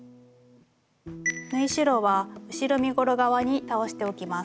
縫い代は後ろ身ごろ側に倒しておきます。